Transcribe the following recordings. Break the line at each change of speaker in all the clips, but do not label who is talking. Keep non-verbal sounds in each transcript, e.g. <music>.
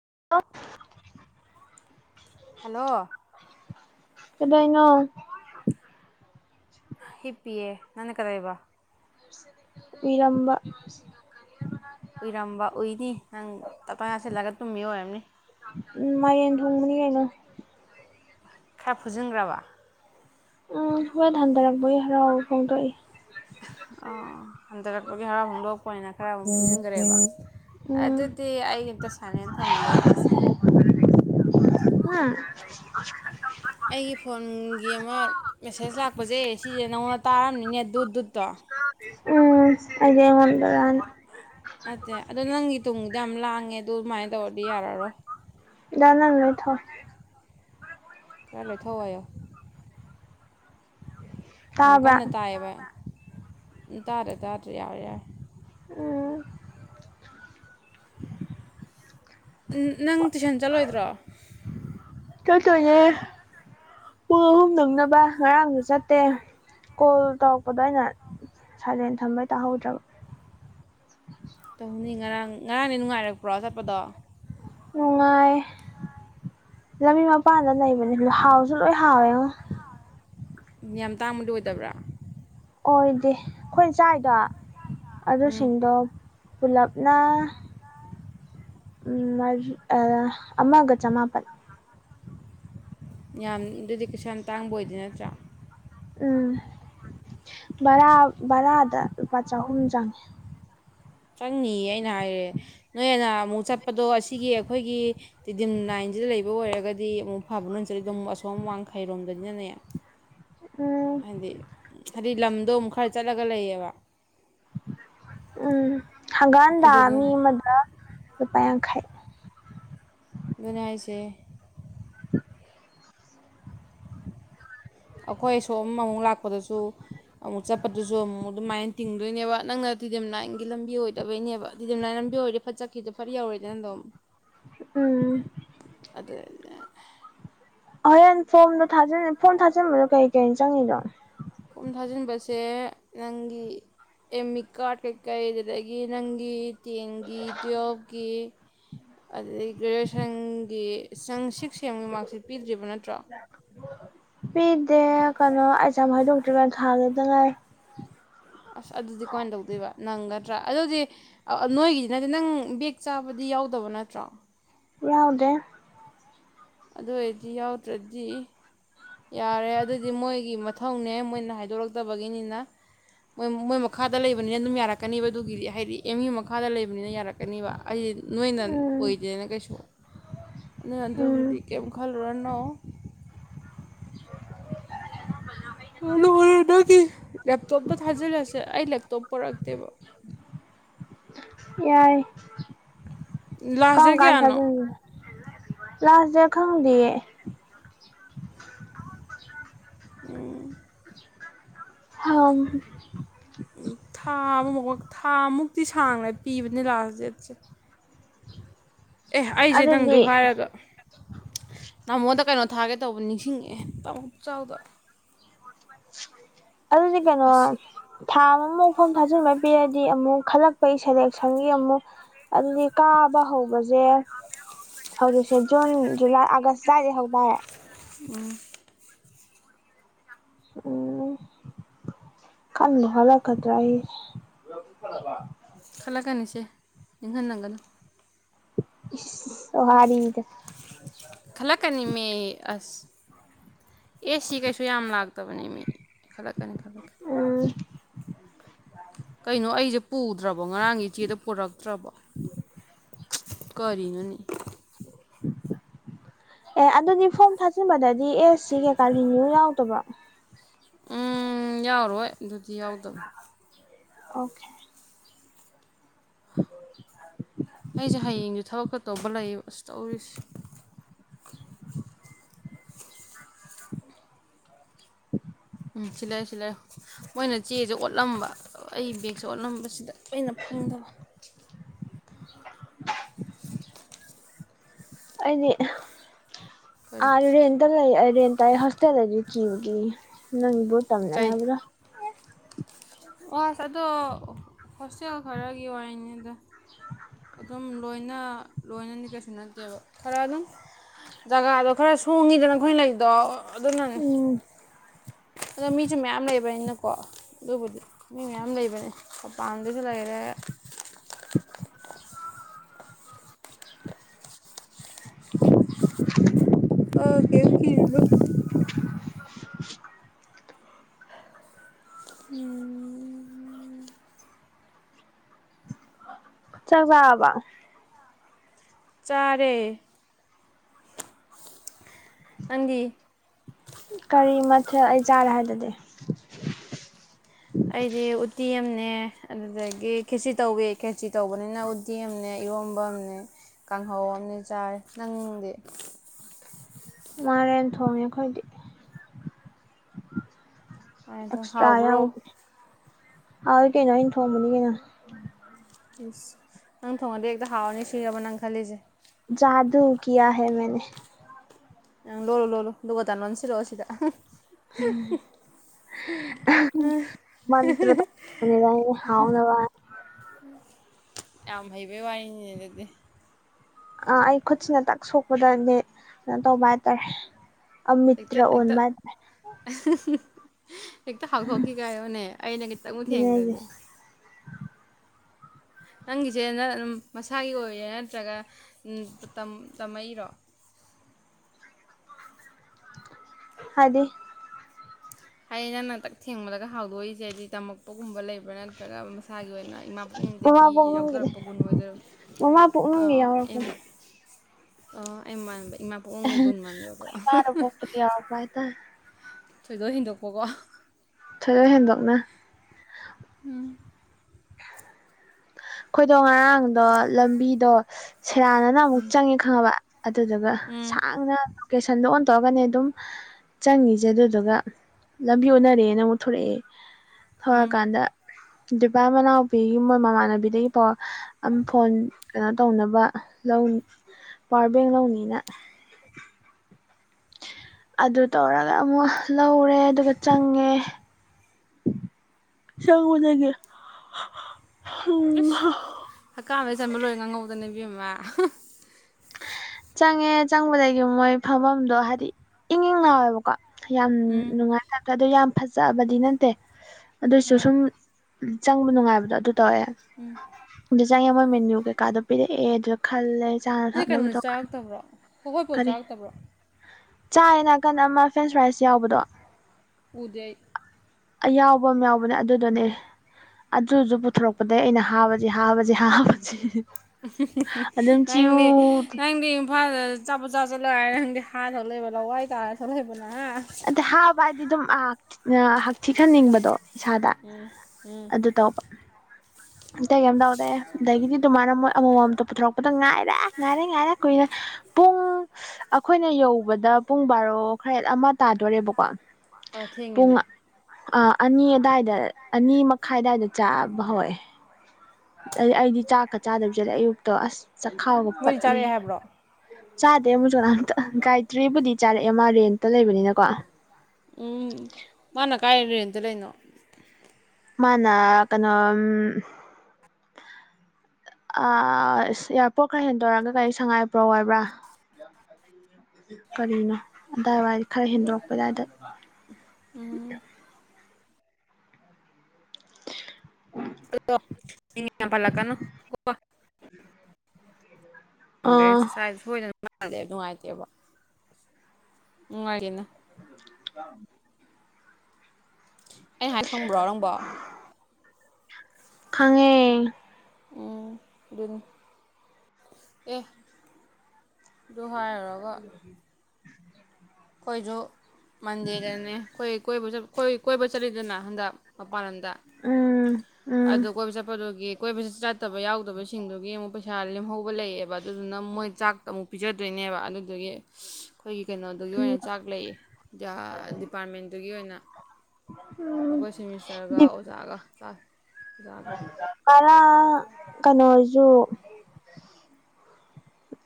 <unintelligible>
hello
ꯀꯩꯗꯧꯏꯅꯣ
ꯍꯤꯞꯄꯤꯌꯦ ꯅꯪꯅ ꯀꯩꯗꯩꯕ
ꯎꯏꯔꯝꯕ
ꯎꯏꯔꯝꯕ ꯎꯏꯅꯤ ꯅꯪ ꯇꯞꯄꯥꯏ ꯑꯥꯁꯤꯜꯂꯒ ꯇꯨꯝꯃꯤ ꯑꯣꯏꯔꯝꯅꯤ
ꯃꯥꯏꯔꯦꯟ ꯊꯣꯡꯕꯅꯤ ꯀꯩꯅꯣ
ꯈꯥ ꯐꯨꯖꯤꯟꯒ꯭ꯔꯕꯥ
ꯎꯝ ꯋꯦꯠ ꯍꯟꯊꯔꯛꯄꯒꯤ ꯍꯔꯥꯎꯕ ꯐꯣꯡꯗꯣꯛꯏ
ꯍꯟꯊꯔꯛꯄꯒꯤ ꯍꯔꯥꯎ ꯐꯣꯡꯗꯣꯛꯄ ꯑꯣꯏꯅ ꯈꯔ ꯑꯃꯨꯛ ꯐꯨꯖꯤꯟꯒꯔꯦꯕ
ꯎꯝ
ꯑꯗꯨꯗꯤ ꯑꯩ ꯑꯝꯇ ꯁꯥꯥꯏꯂꯦꯟ ꯊꯝꯒꯦ ꯑꯩꯒꯤꯁꯤ
<unintelligible>
ꯑꯩꯒꯤ ꯐꯣꯟꯒꯤ ꯑꯃ ꯃꯦꯁꯦꯖ ꯂꯥꯛꯄꯁꯦ ꯁꯤꯁꯦ ꯅꯉꯣꯟꯗ ꯇꯥꯔꯝꯅꯤꯅꯦ ꯗꯨꯠ ꯗꯨꯠ
ꯎꯝ ꯑꯩꯗꯤ ꯑꯩꯉꯣꯟꯗꯔꯅꯥ
ꯅꯠꯇꯦ ꯑꯗꯣ ꯅꯪꯒꯤ ꯇꯨꯡꯒꯤꯗꯣ ꯌꯥꯝ ꯂꯥꯡꯉꯦ ꯗꯨꯃꯥꯏꯅ ꯇꯧꯔꯗꯤ ꯌꯥꯔꯔꯣꯏ
<unintelligible>
ꯈꯔ ꯂꯩꯊꯧ ꯍꯥꯏꯌꯣ ꯌꯥꯝ
ꯇꯥꯕ꯭ꯔꯥ
ꯀꯟꯅ ꯇꯥꯏꯌꯦꯕ ꯇꯥꯗ꯭ꯔꯦ ꯇꯥꯗ꯭ꯔꯦ ꯌꯥꯔꯦ ꯌꯥꯔꯦ
ꯎꯝ
ꯎꯝ ꯅꯪ ꯇꯨꯏꯁꯟ ꯆꯠꯂꯣꯏꯗ꯭ꯔꯣ
ꯆꯠꯇꯣꯏꯅꯦ ꯄꯨꯡ ꯑꯍꯨꯝ ꯅꯪꯅꯕ ꯉꯔꯥꯡꯁꯨ ꯆꯠꯇꯦ ꯀꯣꯜ ꯇꯧꯔꯛꯄꯗꯣ ꯑꯩꯅ ꯁꯥꯏꯂꯦꯟ ꯊꯝꯕꯩ ꯇꯥꯍꯧꯗ꯭ꯔꯕ
ꯇꯧꯅꯤ ꯉꯔꯥꯡ ꯉꯔꯥꯡꯗꯤ ꯅꯨꯡꯉꯥꯏꯔꯛꯄ꯭ꯔꯣ ꯆꯠꯄꯗꯣ
ꯅꯨꯡꯉꯥꯏ ꯂꯝꯕꯤ ꯃꯄꯥꯟꯗ ꯂꯩꯕꯅꯦ ꯍꯥꯎꯁꯨ ꯂꯣꯏ ꯍꯥꯎꯋꯦꯉꯣ
ꯌꯥꯝ ꯇꯥꯡꯕꯗꯤ ꯑꯣꯏꯗꯕ꯭ꯔꯥ
ꯑꯣꯏꯗꯦ ꯈꯣꯏ ꯆꯥꯏꯗꯣ
ꯎꯝ
ꯑꯗꯨꯁꯤꯡꯗꯣ ꯄꯨꯂꯞꯅ ꯎꯝ ꯃꯔꯤ ꯑ ꯑꯃꯒ ꯆꯃꯥꯄꯟ
ꯌꯥꯝ ꯗꯨꯗꯤ ꯀꯩꯁꯨ ꯌꯥꯝ ꯇꯥꯡꯕ ꯑꯣꯏꯗꯦ ꯅꯠꯇ꯭ꯔꯥ
ꯎꯝ ꯕꯔꯥ ꯕꯔꯥꯗ ꯂꯨꯄꯥ ꯆꯍꯨꯝ ꯆꯪꯉꯦ
ꯆꯪꯅꯤꯌꯦ ꯑꯩꯅ ꯍꯥꯏꯔꯦ ꯅꯣꯏꯅ ꯅꯍꯥꯟꯃꯨꯛ ꯆꯠꯄꯗꯣ ꯑꯁꯤꯒꯤ ꯑꯈꯣꯏꯒꯤ ꯇꯗꯤꯝ ꯂꯥꯏꯟꯖꯤꯗ ꯂꯩꯕ ꯑꯣꯏꯔꯒꯗꯤ ꯑꯃꯨꯛ ꯐꯕ ꯅꯣꯏꯅ ꯆꯠꯂꯤꯗꯣ ꯑꯃꯨꯛ ꯑꯁꯣꯝ ꯋꯥꯡꯈꯩꯔꯣꯝ ꯕꯅꯤꯅꯅꯦ
ꯎꯝ
ꯍꯥꯏꯗꯤ ꯍꯥꯏꯗꯤ ꯂꯝꯗꯣ ꯑꯃꯨꯛ ꯈꯔ ꯆꯠꯂꯒ ꯂꯩꯌꯦꯕ
ꯎꯝ ꯍꯪꯒꯥꯠ ꯍꯟꯗꯥ
ꯑꯗꯨꯗꯨ
ꯃꯤ ꯑꯃꯗ ꯂꯨꯄꯥ ꯌꯥꯡꯈꯩ
ꯗꯨꯅꯦ ꯍꯥꯏꯁꯦ
<inaudible>
ꯑꯈꯣꯏ ꯁꯣꯝ ꯑꯃꯨꯛ ꯂꯥꯛꯄꯗꯁꯨ ꯑꯃꯨꯛ ꯆꯠꯄꯗꯨꯁꯨ ꯑꯃꯨꯛ ꯗꯨꯃꯥꯏ ꯇꯤꯡꯗꯣꯏꯅꯦꯕ ꯅꯪꯅ ꯇꯤꯗꯤꯝ ꯂꯥꯏꯟꯒꯤ ꯂꯝꯕꯤ ꯑꯣꯏꯗꯕꯩꯅꯦꯕ ꯇꯤꯗꯤꯝ ꯂꯥꯏꯟ ꯗꯨ ꯑꯣꯏꯔꯤ ꯐꯠ ꯆꯠꯈꯤꯗ ꯐꯠ ꯌꯧꯔꯦꯗꯅ ꯑꯗꯨꯝ
ꯎꯝ
ꯑꯗꯨ
ꯍꯔꯦꯟ ꯐꯣꯝꯗꯣ ꯊꯥꯖꯤꯟ ꯐꯣꯝ ꯊꯥꯖꯤꯟꯕꯗꯣ ꯀꯔꯤ ꯀꯔꯤꯅꯣ ꯆꯪꯉꯤꯗꯣ
ꯐꯣꯝ ꯊꯥꯖꯤꯟꯕꯁꯦ ꯅꯪꯒꯤ ꯑꯦꯃꯤ ꯀꯥꯔꯠ ꯀꯩꯀꯩ ꯗꯨꯗꯒꯤ ꯅꯪꯒꯤ ꯇꯦꯟꯒꯤ ꯇꯨꯌꯦꯜꯐꯀꯤ ꯑꯗꯨꯗꯒꯤ ꯒ꯭ꯔꯦꯖꯨꯑꯦꯁꯟꯒꯤ ꯆꯪ ꯁꯤꯛ ꯁꯦꯝꯒꯤ ꯃꯥꯔꯛ ꯁꯤꯠ ꯄꯤꯗ꯭ꯔꯤꯕ ꯅꯠꯇ꯭ꯔꯣ
ꯄꯤꯗꯦ ꯀꯩꯅꯣ ꯑꯦꯛꯖꯥꯝ ꯍꯥꯥꯏꯗꯣꯛꯇ꯭ꯔꯤꯀꯥꯟ ꯊꯥꯒꯤꯕꯗ ꯉꯥꯏꯔꯤ
ꯑꯁ ꯑꯗꯨꯗꯤ ꯀꯃꯥꯏꯟ ꯇꯧꯗꯨꯏꯕ ꯅꯪꯒꯗ꯭ꯔꯥ ꯑꯗꯨꯗꯤ ꯑꯥ ꯅꯣꯏꯒꯤꯗꯤꯅꯗꯤ ꯅꯪ ꯕꯦꯛ ꯆꯥꯕꯗꯤ ꯌꯥꯎꯗꯕ ꯅꯠꯇ꯭ꯔꯣ
ꯌꯥꯎꯗꯦ
ꯑꯗꯨ ꯑꯣꯏꯗꯤ ꯌꯥꯎꯗ꯭ꯔꯗꯤ ꯌꯥꯔꯦ ꯑꯗꯨꯗꯤ ꯃꯣꯏꯒꯤ ꯃꯊꯧꯅꯦ ꯃꯣꯏꯅ ꯍꯥꯏꯗꯣꯔꯛꯇꯕꯒꯤꯅꯤꯅ ꯃꯣꯏ ꯃꯣꯏ ꯃꯈꯥꯗ ꯂꯩꯕꯅꯤꯅ ꯑꯗꯨꯝ ꯌꯥꯔꯛꯀꯅꯤꯕ ꯑꯗꯨꯒꯤꯗꯤ ꯍꯥꯏꯗꯤ ꯑꯦꯝ ꯌꯨ ꯃꯈꯥꯗ ꯂꯩꯕꯅꯤꯅ ꯌꯥꯔꯛꯀꯅꯤꯕ ꯑꯩ ꯅꯣꯏꯅ
ꯎꯝ
ꯑꯣꯏꯗꯦꯅ ꯀꯩꯁꯨ ꯅꯣꯢ ꯑꯗꯨꯒꯤꯗꯤ
ꯎꯝ
ꯀ꯭ꯌꯝ ꯈꯜꯂꯨꯔꯅꯣ
<inaudible>
ꯂꯣꯏꯔꯦ ꯅꯪꯒꯤ ꯂꯦꯞꯇꯣꯞꯇ ꯊꯥꯖꯤꯜꯂꯁꯦ ꯑꯩ ꯂꯦꯞꯇꯣꯞ ꯄꯣꯔꯛꯇꯦꯕ
ꯌꯥꯏ
ꯂꯥꯁ
ꯀꯔꯝ
ꯗꯦꯠ
ꯀꯥꯟ
ꯀꯌꯥꯅꯣ
ꯊꯥꯖꯤꯟꯗꯣꯏꯅꯣ ꯆꯥꯖꯤꯔꯥ ꯈꯪꯗꯦꯌꯦ
ꯎꯝ
ꯍꯝ
ꯎꯝ ꯊꯥ ꯑꯃꯃꯨꯀꯛ ꯊꯥ ꯃꯨꯛꯇꯤ ꯁꯥꯡꯅ ꯄꯤꯕꯅꯦ ꯂꯥꯁ ꯗꯦꯠ ꯁꯦ ꯑꯦ ꯑꯩꯖꯦ ꯅꯪꯗꯨ
ꯑꯗꯨꯗꯤ
ꯍꯥꯏꯔꯒ ꯇꯥꯃꯣꯗ ꯀꯩꯅꯣ ꯊꯥꯒꯦ ꯇꯧꯕ ꯅꯤꯡꯁꯤꯡꯉꯛꯑꯦ ꯇꯧ ꯆꯥꯎꯗ
ꯑꯗꯨꯗꯤ ꯀꯩꯅꯣ ꯊꯥ ꯑꯃꯃꯨꯛ ꯐꯣꯝ ꯊꯥꯖꯤꯟꯕ ꯄꯤꯔꯗꯤ ꯑꯃꯨꯛ ꯈꯜꯂꯛꯄꯩ ꯁꯦꯂꯦꯛꯁꯟꯒꯤ ꯑꯃꯨꯛ ꯑꯗꯨꯗꯤ ꯀꯥꯕ ꯍꯧꯕꯖꯦ ꯍꯧꯖꯤꯛꯁꯦ ꯖꯨꯟ ꯖꯨꯂꯥꯏ ꯑꯥꯒꯁ ꯗꯥꯏꯗꯩ ꯍꯧꯇꯥꯔꯦ
ꯎꯝ
ꯎꯝ ꯈꯟꯕꯨ ꯈꯜꯂꯛꯀꯗ꯭ꯔꯥꯌꯦ
ꯀꯅꯤꯁꯦ ꯅꯤꯡꯍꯟꯅꯒꯅꯨ
ꯏꯁ
ꯈꯜꯂꯛꯀꯅꯤꯃꯤ ꯑꯁ ꯑꯦ ꯁꯤ ꯀꯩꯁꯨ ꯌꯥꯝ ꯂꯥꯛꯇꯕꯅꯦꯃꯤ ꯈꯜꯂꯛꯀꯅꯤ ꯈꯜꯂꯛꯀꯅꯤ
ꯎꯝ
ꯀꯩꯅꯣ ꯑꯩꯖꯦ ꯄꯨꯗ꯭ꯔꯕꯣ ꯉꯔꯥꯡꯒꯤ ꯆꯦꯗꯣ ꯄꯣꯔꯛꯇ꯭ꯔꯕꯣ
<inaudible>
ꯀꯔꯤꯅꯣꯅꯦ
<inaudible> ꯑꯦ ꯑꯗꯨꯗꯤ ꯐꯣꯝ ꯊꯥꯖꯤꯟꯕꯗꯗꯤ ꯑꯦꯁ ꯁꯤ ꯀꯩꯀꯥ ꯔꯤꯅ꯭ꯌꯨ ꯌꯥꯎꯗꯕ꯭ꯔꯣ
ꯎꯝ ꯌꯥꯎꯔꯣꯏ ꯑꯗꯨꯗꯤ ꯌꯥꯎꯗꯝꯅꯦ
ꯑꯣꯀꯦ <inaudible>
ꯑꯩꯖꯦ ꯍꯌꯦꯡꯖꯨ ꯊꯕꯛ ꯆꯠꯇꯧꯕ ꯂꯩꯌꯦꯕ ꯑꯁ ꯇꯧꯔꯤꯁꯦ ꯎꯝ ꯁꯤ ꯂꯩꯌꯨ ꯁꯤ ꯂꯩꯌꯨ ꯃꯣꯏꯅ ꯆꯦꯖꯦ ꯑꯣꯠꯂꯝꯕ ꯑꯩ ꯕꯦꯛꯁꯦ ꯑꯣꯠꯂꯝꯕꯁꯤꯗ ꯂꯣꯏꯅ ꯐꯪꯗꯕ
ꯑꯩꯗꯤ ꯑꯍ
ꯀꯔꯤ
ꯑꯥ ꯔꯦꯟꯗ ꯂꯩ ꯑ ꯔꯦꯟꯇ ꯍꯣꯁꯇꯦꯜ ꯗꯗꯤ ꯀꯤꯕꯨ ꯀꯤ ꯅꯪ ꯕꯨꯠ ꯇꯝꯅꯩ
ꯀꯩ
ꯍꯥꯏꯕ꯭ꯔꯥ
ꯑꯁ ꯑꯗꯣ ꯍꯣꯁꯇꯦꯜ ꯈꯔꯒꯤ ꯋꯥꯔꯤꯅꯤꯗ ꯑꯗꯨꯝ ꯂꯣꯏꯅ ꯂꯣꯏꯅꯗꯤ ꯀꯩꯁꯨ ꯅꯠꯇꯦꯕ ꯈꯔ ꯑꯗꯨꯝ ꯖꯒꯥꯗꯣ ꯈꯔ ꯁꯣꯡꯉꯤꯗꯅ ꯑꯈꯣꯏ ꯂꯩꯗꯣ ꯑꯗꯨꯅꯅꯦ
ꯎꯝ
ꯑꯗꯣ ꯃꯤꯁꯨ ꯃꯌꯥꯝ ꯂꯩꯕꯅꯤꯅꯀꯣ ꯑꯗꯨꯕꯨꯗꯤ ꯃꯤ ꯃꯌꯥꯝ ꯂꯩꯕꯅꯦ ꯃꯄꯥꯟꯗꯖꯨ ꯂꯩꯔꯦ
<inaudible> <inaudible>
ꯑꯥ ꯀꯦꯝ ꯀꯤꯔꯨꯅꯨ ꯎꯝ
ꯆꯥꯛ ꯆꯥꯔꯕꯣ
ꯆꯥꯔꯦ ꯅꯪꯗꯤ
ꯀꯔꯤ ꯃꯊꯦꯜ ꯑꯩ ꯆꯥꯔꯦ ꯍꯥꯏꯗꯨꯗꯤ
ꯑꯩꯗꯤ ꯎꯠꯇꯤ ꯑꯝꯅꯦ ꯑꯗꯨꯗꯒꯤ ꯈꯦꯆꯤ ꯇꯧꯋꯦ ꯈꯦꯆꯤ ꯇꯧꯕꯅꯤꯅ ꯎꯠꯇꯤ ꯑꯝꯅꯦ ꯏꯔꯣꯝꯕꯝꯅꯦ ꯀꯥꯡꯍꯧ ꯑꯝꯅꯦ ꯆꯥꯔꯦ ꯅꯪꯗꯤ
ꯃꯥꯏꯔꯦꯟ ꯊꯣꯡꯉꯦ ꯑꯈꯣꯏꯗꯤ ꯑꯦꯛꯁꯇ꯭ꯔꯥ
ꯍꯥꯎꯕ꯭ꯔꯣ
ꯌꯥꯎꯗꯦ ꯍꯥꯎꯋꯤ ꯀꯩꯅꯣ ꯑꯩꯅ ꯊꯣꯡꯕꯅꯤ ꯀꯩꯅꯣ
ꯏꯁ ꯅꯪ ꯊꯣꯡꯉꯗꯤ ꯍꯦꯛꯇ ꯍꯥꯎꯔꯅꯤ ꯁꯤꯔꯕ ꯅꯪ ꯈꯜꯂꯤꯖꯦ
ꯖꯥꯗꯨ ꯀꯤꯌꯥ ꯍꯦ ꯃꯦꯅꯦ
ꯑꯪ ꯂꯣꯜꯂꯨ ꯂꯣꯜꯂꯨ ꯗꯨꯒ ꯇꯥꯟ ꯂꯣꯟꯁꯤꯜꯂꯛꯑꯣ ꯁꯤꯗ ꯑꯍꯥ
ꯎꯝ ꯑꯍꯝ ꯃꯟꯇ꯭ꯔ ꯇꯧ ꯕꯅꯦꯕ ꯑꯩꯅ ꯍꯥꯎꯅꯕꯅ
ꯌꯥꯝ ꯍꯩꯕꯩ ꯋꯥꯅꯤꯅꯦ ꯑꯗꯨꯗꯤ
ꯑ ꯑꯩ ꯈꯨꯠꯁꯤꯅ ꯇꯛꯁ ꯁꯣꯛꯄꯗꯅꯦ ꯀꯩꯅꯣ ꯇꯧꯕ ꯍꯥꯏꯇꯥꯔꯦ
ꯍꯦꯛꯇ
ꯑꯝꯃꯤꯇ꯭ꯔ
ꯍꯦꯛꯇ
ꯑꯣꯟꯕ ꯍꯥꯏ ꯇꯥꯌꯦ
ꯍꯦꯛꯇ ꯍꯥꯎꯊꯣꯛꯈꯤ ꯒꯥꯏ ꯍꯥꯏꯌꯨꯅꯦ ꯑꯩꯅ ꯈꯤꯇꯪꯕꯨ
ꯑꯗꯨꯅꯦ ꯍꯥꯏꯁꯦ
ꯊꯦꯡꯒ꯭ꯔꯗꯤ ꯅꯪꯒꯤꯁꯦ ꯅꯪ ꯑꯝ ꯃꯁꯥꯒꯤ ꯑꯣꯏꯔꯤꯔꯥ ꯅꯠꯇ꯭ꯔꯒ ꯎꯝ ꯇꯝ ꯇꯝꯃꯛꯏꯔꯣ
ꯍꯥꯏꯗꯤ
ꯍꯥꯏꯗꯤ ꯅꯪꯅ ꯇꯛ ꯊꯦꯡꯕꯗꯒ ꯍꯥꯎꯗꯣꯛꯏꯖꯦ ꯗꯤ ꯇꯝꯃꯛꯄꯒꯨꯝꯕ ꯂꯩ ꯕ꯭ꯔ ꯅꯠꯇ꯭ꯔꯒ ꯃꯁꯥꯒꯤ ꯑꯣꯏꯅ ꯏꯃꯥ
ꯃꯃꯥ
ꯄꯨꯛꯅꯨꯡꯗꯒꯤ ꯌꯥꯎꯖꯔꯛꯄ ꯒꯨꯟ ꯑꯣꯏꯗꯣꯔꯣ
ꯏꯃꯥ ꯄꯨꯛꯅꯨꯡꯒꯤ ꯌꯥꯎꯔꯛꯄꯅꯦ
ꯑꯣ ꯑꯩ ꯃꯥꯟꯕ ꯏꯃꯥ ꯄꯣꯛꯅꯨꯡꯒꯤ ꯒꯨꯟ ꯃꯥꯟꯅꯕꯗꯣ ꯑꯍ
ꯏꯃꯥꯅ
ꯍ <inaudible>
ꯄꯣꯛꯄꯗ ꯌꯥꯎꯔꯛꯄ ꯍꯥꯏꯇꯥꯔꯦ
ꯊꯣꯏꯗꯣꯛ ꯍꯦꯟꯗꯣꯛꯄꯒꯣ
ꯊꯣꯏꯗꯣꯛ ꯍꯦꯟꯗꯣꯛꯅ
ꯎꯝ
ꯈꯣꯏꯗꯣ ꯉꯔꯥꯡꯗꯣ ꯂꯝꯕꯤꯗꯣ ꯁꯦꯔꯥꯟꯅꯅ ꯑꯃꯨꯛ ꯆꯪꯉꯦ ꯈꯪꯉꯕꯥ ꯑꯗꯨꯗꯨꯒ
ꯎꯝ
ꯁꯥꯡꯅ ꯀꯦꯁꯟꯗꯣ ꯑꯣꯟ ꯇꯧꯑꯒꯅꯦ ꯑꯗꯨꯝ ꯆꯪꯉꯤꯁꯦ ꯑꯗꯨꯗꯨꯒ ꯂꯝꯕꯤ ꯑꯣꯟꯅꯔꯦꯅ ꯑꯃꯨꯛ ꯊꯣꯔꯛꯑꯦ
ꯎꯝ
ꯊꯣꯔꯀꯥꯟꯗ ꯗꯤꯕꯥ ꯃꯅꯥꯎ ꯄꯤꯒꯤ ꯃ ꯃꯃꯥꯟꯅꯕꯤꯗꯒꯤ ꯄꯋꯥꯔ ꯑꯝ ꯐꯣꯟ ꯀꯅꯣ ꯇꯧꯅꯕ ꯂꯧ ꯄꯋꯥꯔ ꯕꯦꯡ ꯂꯧ ꯍꯣꯡꯅꯤꯅꯥ ꯑꯗꯨ ꯇꯧꯔꯒ ꯑꯃꯨꯛ ꯂꯧꯔꯦ ꯑꯗꯨꯒ ꯆꯪꯉꯦ ꯆꯪꯉꯣ ꯅꯪꯗꯤ
ꯍꯀꯥꯝ ꯆꯟꯕ ꯂꯣꯏꯔ ꯉꯥꯡꯉꯛꯎꯗꯅ ꯏꯕꯦꯝꯃꯥ
ꯆꯪꯉꯦ ꯆꯪꯕꯗꯩꯗꯤ ꯃꯣꯏ ꯐꯝꯕꯝꯗꯣ ꯍꯥꯏꯗꯤ ꯏꯪ ꯏꯪ ꯂꯥꯎꯋꯦꯕꯀꯣ ꯌꯥꯝ
ꯎꯝ
ꯅꯨꯡꯉꯥꯏ ꯇꯥꯞꯇ ꯑꯗꯨ ꯌꯥꯝ ꯐꯖꯕꯗꯤ ꯅꯠꯇꯦ ꯑꯗꯨꯏꯁꯨ
ꯍꯣꯏ
ꯁꯨꯝ ꯆꯪꯕ ꯅꯨꯡꯉꯥꯏꯕꯗꯣ ꯑꯗꯨ ꯇꯧꯋꯦ ꯑꯗꯨ ꯆꯪꯉꯦ ꯃꯣꯏ ꯃꯦꯅ꯭ꯌꯨ ꯀꯩꯀꯥꯗꯣ ꯄꯤꯔꯛꯑꯦ ꯑꯗꯨꯗ ꯈꯜꯂꯦ ꯆꯥꯅ
ꯅꯣꯏ ꯀꯩꯅꯣꯗꯤ
ꯊꯛꯅꯕꯗꯣ ꯈꯟ
ꯆꯥꯔꯛꯇꯕ꯭ꯔꯣ <inaudible>
ꯆꯥꯏꯌꯦ ꯅꯥꯀꯟ ꯑꯃ ꯐ꯭ꯔꯦꯟꯁ ꯐꯔꯥꯏꯁ ꯌꯥꯎꯕꯗꯣ
ꯎꯗꯦ ꯑꯩ
ꯑꯌꯥꯎꯕ ꯑꯝ ꯌꯥꯎꯕꯅꯦ ꯑꯗꯨꯗꯣꯅꯦ ꯑꯗꯨꯖꯨ ꯄꯨꯊꯣꯔꯛꯄꯗꯩ ꯑꯩꯅ ꯍꯥꯕꯖꯤ ꯍꯥꯕꯖꯤ ꯍꯥꯕꯖꯤ
ꯅꯪꯗꯤ ꯅꯪꯗꯤ ꯏꯝꯐꯥꯜꯗ ꯆꯥꯄ ꯆꯥ ꯆꯠꯂꯣ ꯍꯥꯏꯔ ꯅꯪꯗꯤ ꯍꯥ ꯊꯣꯏꯂꯛꯏꯕ ꯂꯋꯥꯏ ꯇꯥꯔ ꯊꯣꯛꯂꯛꯏꯕ ꯅ ꯍꯥ
ꯑꯇ ꯍꯥꯕ ꯍꯥꯏꯗꯤ ꯗꯨꯝ ꯑ ꯍꯛꯊꯤꯈꯟꯅꯤꯡꯕꯗꯣ ꯏꯁꯥꯗ
ꯎꯝ ꯎꯝ
ꯑꯗꯨ ꯇꯧꯕ ꯑꯇꯩ ꯀꯦꯝ ꯇꯧꯗꯦ ꯗꯒꯤꯗꯤ ꯗꯨꯃꯥꯏꯅ ꯑꯃꯃꯝꯇ ꯄꯨꯊꯔꯛꯄꯗ ꯉꯥꯏꯔꯦ ꯉꯥꯏꯔꯦ ꯉꯥꯏꯔꯦ ꯀꯨꯏꯔꯦ ꯄꯨꯡ ꯑꯈꯣꯏꯅ ꯌꯧꯕꯗ ꯄꯨꯡ ꯕꯥꯔꯣ ꯈꯔ ꯑꯃ ꯇꯥꯗꯣꯔꯦꯕꯀꯣ
ꯑꯥ
ꯄꯨꯡ
ꯊꯦꯡꯉꯦꯅꯦ
ꯑ ꯑꯅꯤ ꯑꯗꯥꯏꯗ ꯑꯅꯤ ꯃꯈꯥꯏ ꯑꯗꯥꯏꯗ ꯆꯥꯕ ꯍꯧꯋꯦ ꯑꯩ ꯑꯩꯗꯤ ꯆꯥꯛꯀ ꯆꯥꯗꯕꯤ ꯆꯠꯂꯦ ꯑꯌꯨꯛꯇꯣ ꯆꯥꯛꯈꯥꯎꯒ
ꯃꯣꯏꯗꯤ
ꯄꯠꯂꯦꯍꯦ
ꯆꯥꯔꯛꯑꯦ ꯍꯥꯏꯕ꯭ꯔꯣ
ꯆꯥꯗꯦ ꯃꯣꯏꯁꯨ ꯀꯅꯝꯇ ꯒꯥꯏꯇ꯭ꯔꯤꯕꯨꯗꯤ ꯆꯥꯔꯛꯑꯦ ꯃꯥ ꯔꯦꯟꯇ ꯂꯩꯕꯅꯤꯅꯀꯣ
ꯎꯝ ꯃꯥꯅ ꯀꯥꯏ ꯔꯦꯟꯇ ꯂꯩꯩꯅꯣ
ꯃꯥꯅ ꯀꯩꯅꯣ ꯎꯝ ꯑꯦꯌꯥꯔꯄꯣꯔꯠ ꯈꯔ ꯍꯦꯟꯗꯣꯔꯛꯑꯒ ꯀꯔꯤ ꯁꯉꯥꯏꯄ꯭ꯔꯧ ꯍꯥꯏꯕ꯭ꯔꯥ ꯀꯔꯤꯅꯣ ꯑꯗꯥꯏꯋꯥꯏ ꯈꯔ ꯍꯦꯟꯗꯣꯛꯄ ꯑꯗꯥꯢꯗ
<unintelligible> ꯃꯤꯡ ꯌꯥꯝ ꯄꯥꯜꯂꯛꯀꯅꯨꯀꯣ
ꯑꯥ
<unintelligible> ꯁꯣꯏꯗꯅ ꯃꯥꯜꯂꯦ ꯅꯨꯡꯉꯥꯏꯇꯦꯕ ꯅꯨꯡꯉꯥꯏꯇꯦꯅ
<inaudible>
ꯑꯩ ꯍꯥꯏ ꯈꯪꯕ꯭ꯔꯣ ꯅꯪꯕꯣ
ꯈꯪꯉꯦ
ꯎꯝ ꯗꯨꯅꯦ ꯑꯦ ꯗꯨ ꯍꯥꯏꯌꯨꯔꯒ ꯈꯣꯏꯖꯨ ꯃꯟꯗꯦꯗꯅꯦ ꯈꯣꯏ ꯀꯣꯏꯕ ꯈꯣꯏ ꯀꯣꯏꯕ ꯆꯠꯂꯤꯗꯅ ꯍꯟꯗꯛ ꯄꯥꯟ ꯂꯝꯗ
ꯎꯝ ꯎꯝ
ꯑꯗꯨ ꯀꯣꯏꯕ ꯆꯠꯄꯗꯨꯒꯤ ꯀꯣꯏꯕꯁꯤ ꯆꯠꯇꯕ ꯌꯥꯎꯗꯕꯁꯤꯡꯗꯨꯒꯤ ꯑꯃꯨꯛ ꯄꯩꯁꯥ ꯂꯦꯝꯍꯧꯕ ꯂꯩꯌꯦꯕ ꯑꯗꯨꯗꯨꯅ ꯃꯣꯏ ꯆꯥꯛꯇ ꯑꯃꯨꯛ ꯄꯤꯖꯗꯣꯏꯅꯦ ꯅꯦꯕ ꯑꯗꯨꯗꯨꯒꯤ ꯈꯣꯏꯒꯤ ꯀꯩꯅꯣꯗꯨꯒꯤ ꯑꯣꯏꯅ ꯆꯥꯛ ꯂꯩꯌꯦ ꯗꯤꯄꯥꯔꯠꯃꯦꯟꯇꯨꯒꯤ ꯑꯣꯏꯅ
ꯎꯝ
ꯑꯩꯈꯣꯏ ꯁꯦꯃꯤꯁꯇꯔꯒ ꯑꯣꯖꯥꯒ ꯆꯥ
<unintelligible> ꯀꯩꯅꯣꯁꯨ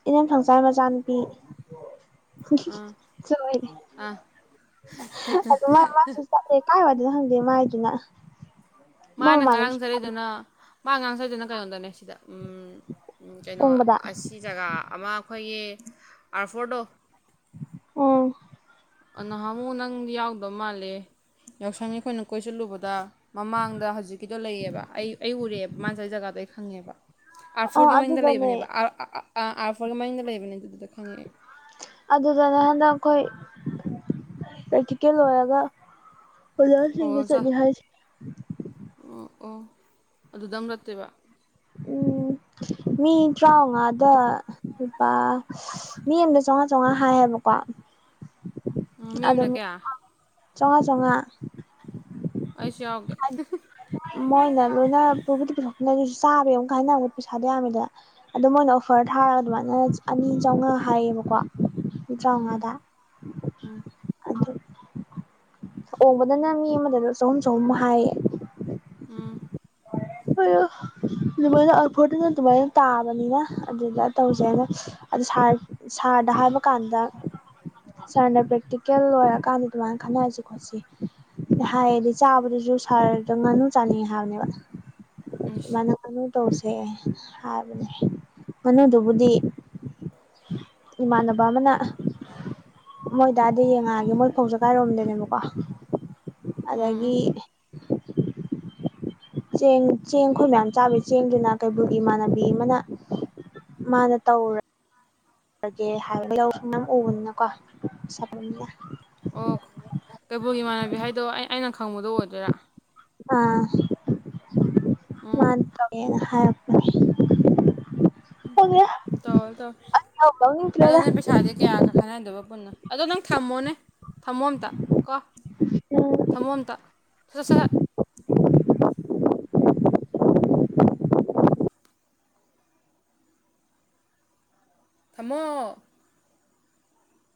ꯏꯅꯝ ꯐꯪꯆꯥꯥꯔ ꯃꯆꯥꯅꯨꯄꯤ ꯍꯤ ꯍꯤ ꯍꯤ
ꯑꯥ
ꯂ‌ꯑꯣꯏꯔꯦ
ꯑꯥ
ꯑꯗꯑꯣ ꯃꯥꯏ ꯃꯥꯁꯨ ꯆꯠꯂꯦ ꯀꯥꯏꯋꯥꯏꯗꯩꯅꯣ ꯈꯪꯗꯦ ꯃꯥꯏꯗꯨꯅ ꯃꯣꯏ
ꯃꯥꯅ ꯉꯔꯥꯡ
ꯃꯃꯥꯟꯅꯕꯤ
ꯆꯠꯂꯤꯗꯨꯅ ꯃꯥ ꯉꯥꯔꯡꯆꯠꯂꯤꯗꯨꯅ ꯀꯩꯅꯣꯗꯅꯦ ꯗꯥ ꯎꯝ ꯎꯝ ꯀꯩꯅꯣ
ꯎꯪꯕꯗ
ꯑꯁꯤ ꯖꯒꯥ ꯑꯃ ꯑꯩꯈꯣꯏꯒꯤ ꯑꯥꯔ ꯐꯣꯔ ꯗꯣ
ꯎꯝ
ꯑꯗꯨꯗ ꯃꯥꯂꯦ ꯌꯥꯎꯁꯪꯒꯤ ꯑꯩꯈꯣꯏꯅ ꯀꯣꯏ ꯆꯠꯂꯨꯕꯗ ꯃꯃꯥꯡꯗ ꯍꯧꯖꯤꯛꯀꯤꯗꯣ ꯂꯩꯌꯦꯕ ꯑꯩ ꯑꯩ ꯎꯔꯦ ꯃꯥꯅ ꯆꯠꯂꯤ ꯖꯒꯥꯗꯣ ꯑꯩ ꯈꯪꯉꯦꯕ ꯑꯔ
ꯑꯣ
ꯐꯣꯔꯒꯤ ꯃꯅꯤꯡꯗꯥ
ꯑꯗꯨꯗꯅꯦ
ꯂꯩꯕꯅꯦꯕꯥ ꯑꯔ ꯑꯥ ꯑꯥ ꯑꯥ ꯑꯥꯔ ꯐꯣꯔꯒꯤ ꯃꯅꯤꯡꯗ ꯂꯩꯕꯅꯦ ꯑꯗꯨ ꯗꯨ ꯗ
ꯑꯗꯨꯗꯅꯦ ꯍꯟꯗꯛ ꯑꯩꯈꯣꯏ ꯄ꯭ꯔꯛꯇꯤꯀꯦꯜ ꯂꯣꯏꯔꯒ ꯑꯣꯖꯥꯁꯤꯡꯒ
ꯑꯣ ꯆꯥ
ꯆꯠꯅꯤ ꯍꯥꯏꯁꯤ
ꯑꯣ ꯑꯣ ꯑꯗꯨꯗꯪ ꯔꯠꯇꯣꯏꯕ
ꯎꯝ ꯃꯤ ꯇ꯭ꯔꯥꯝꯉꯥꯗ ꯂꯨꯄꯥ ꯃꯤ ꯑꯝꯗ ꯆꯧꯉꯥ ꯆꯧꯉꯥ ꯍꯥꯏꯌꯦꯕꯀꯣ <inaudible>
ꯎꯝ ꯃꯤ ꯑꯃꯅ ꯀꯌꯥ
ꯆꯧꯉꯥ ꯆꯧꯉꯥ
ꯑꯩꯁꯨ ꯌꯥꯑꯣꯒꯦ ꯑꯍ ꯑꯍ
ꯃꯣꯏꯅ ꯂꯣꯏꯅ ꯄꯨꯕꯨꯗꯤ ꯄꯨꯊꯣꯛꯄꯥꯅꯦ ꯃꯩꯁꯨ ꯆꯥꯕꯕꯩ ꯑꯃꯨꯛꯥ ꯍꯥꯏꯅꯕꯗꯨꯗꯥ ꯄꯩꯁꯥꯁꯨ ꯌꯝꯃꯦꯗꯅ ꯑꯗꯨ ꯃꯣꯏꯅ ꯑꯣꯐꯔ ꯊꯥ ꯊꯥꯔ ꯑꯗꯨꯃꯥꯏꯅ ꯑꯅꯤ ꯆꯥꯝꯃꯉꯥ ꯍꯥꯏꯌꯦꯕꯀꯣ ꯂꯨꯄꯥ ꯇꯔꯥ
ꯎꯝ
ꯃꯉꯥꯗ
ꯎꯝ
ꯑꯣꯝꯕꯗꯅ ꯃꯤ ꯑꯃꯗ ꯆꯍꯨꯝ ꯆꯍꯨꯝ ꯍꯥꯏꯌꯦ
ꯎꯝ
<unintelligible> ꯑꯗꯨꯃꯥꯏꯅ ꯑꯥꯔ ꯐꯣꯔꯗꯅ ꯑꯗꯨꯃꯥꯏꯅꯥ ꯇꯥꯕꯅꯤꯅꯥ ꯑꯗꯨꯗ ꯇꯧꯁꯦꯅ ꯑꯗꯨ ꯁꯥꯔ ꯁꯥꯔ ꯑꯗ ꯍꯥꯏꯕ ꯀꯥꯟꯗ ꯁꯥꯔꯅ ꯄ꯭ꯔꯦꯛꯇꯤꯀꯦꯜ ꯂꯣꯏꯔꯀꯥꯟꯗ ꯑꯗꯨꯃꯥꯏꯅ ꯈꯟꯅꯔꯁꯤ ꯈꯣꯠꯁꯤ ꯍ ꯍꯥꯏ ꯗꯨ ꯆꯕꯗꯨꯁꯨ ꯁꯥꯔꯗꯣ ꯉꯥꯅꯨ ꯆꯥꯅꯤꯡꯉꯦ ꯍꯥꯏꯕꯅꯦꯕꯥ
ꯏꯁ
ꯃꯥꯅ ꯉꯅꯨ ꯇꯧꯁꯦ ꯍꯥꯏꯕꯅꯦ ꯉꯅꯨꯗꯨꯕꯨꯗꯤ ꯏꯃꯥꯟꯅꯕ ꯑꯃꯅ ꯃꯣꯏꯗꯥꯏꯗ ꯌꯦꯡꯉꯛꯑꯒꯦ ꯃꯣꯏ ꯐꯧꯖ ꯀꯥꯏ ꯔꯣꯝꯗꯩꯅꯦꯕꯥꯀꯣ
ꯎꯝ ꯎꯝ
ꯑꯗꯒꯤ ꯆꯦꯡ ꯆꯦꯡ ꯑꯩꯈꯣꯏ ꯃꯌꯥꯝ ꯆꯥꯕꯒꯤ ꯆꯦꯡꯗꯨꯅ ꯀꯩꯕꯨꯜꯒꯤ ꯏꯃꯥꯟꯅꯕꯤ ꯑꯃꯅ ꯃꯥꯅ ꯇꯧꯔꯦ ꯌꯥꯒꯦ ꯍꯥꯏ <unintelligible> ꯇꯧ ꯅꯪ ꯎꯕꯅꯤꯅꯀꯣ <unintelligible>
ꯑꯣ ꯀꯩꯕꯨꯜꯒꯤ ꯏꯃꯥꯟꯅꯕꯤ ꯍꯥꯏꯗꯣ ꯑꯩ ꯑꯩꯅ ꯈꯪꯕꯗꯣ ꯑꯣꯏꯗꯣꯏꯔꯥ
ꯑꯥ
ꯎꯝ
ꯃꯥꯅ ꯇꯧꯒꯦꯅ ꯍ ꯍꯥꯏꯔꯛꯄꯅꯦ ꯈꯪꯗꯦꯗ
ꯇꯧꯔꯣ ꯇꯧꯔꯣ
ꯏꯍꯧ
ꯑꯗꯣ
ꯍꯧꯅꯤꯡꯗ꯭ꯔꯦꯗ
ꯅꯣꯏ ꯄꯩꯁꯥꯗꯤ ꯀꯌꯥ ꯀꯌꯥ ꯈꯥꯏꯅꯗꯣꯕ ꯄꯨꯟꯅ ꯑꯗꯣ ꯅꯪ ꯊꯝꯃꯣꯅꯦ ꯊꯝꯃꯣ ꯑꯝꯇ ꯀꯣ
ꯎꯝ
ꯊꯝꯃꯣ ꯑꯝꯇ ꯁꯖ ꯁꯠ ꯁꯠ ꯊꯝꯃꯣ